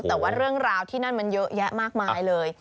แต่ว่าเรื่องราวที่นั่นมันเยอะแยะมากมายเลย